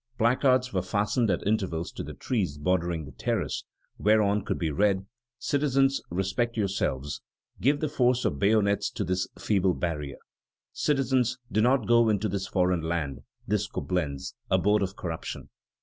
Placards were fastened at intervals to the trees bordering the terrace, whereon could be read: "Citizens, respect yourselves; give the force of bayonets to this feeble barrier. Citizens, do not go into this foreign land, this Coblentz, abode of corruption."